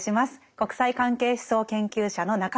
国際関係思想研究者の中見真理さんです。